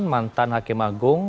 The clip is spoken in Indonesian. mantan hakim agung